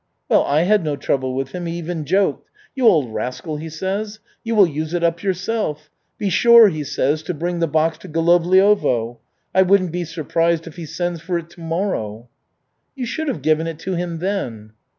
Well, I had no trouble with him he even joked. 'You old rascal,' he says, 'you will use it up yourself! Be sure,' he says, 'to bring the box to Golovliovo.' I wouldn't be surprised if he sends for it tomorrow." "You should have given it to him then."